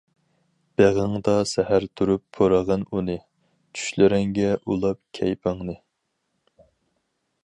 بېغىڭدا سەھەر تۇرۇپ پۇرىغىن ئۇنى، چۈشلىرىڭگە ئۇلاپ كەيپىڭنى.